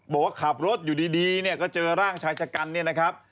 บอกว่าขับรถอยู่ดีเนี่ยก็เจอร่างชายชะกันเนี่ยนะครับ